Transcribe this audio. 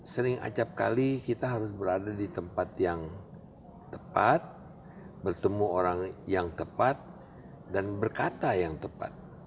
sering acapkali kita harus berada di tempat yang tepat bertemu orang yang tepat dan berkata yang tepat